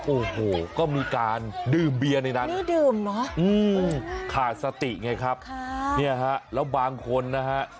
โอ้โหก็มีการดื่มเบียร์ในนั้นค่ะสติไงครับเนี่ยฮะแล้วบางคนนะฮะ